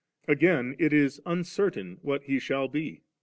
Again it is uncertain what He shall be.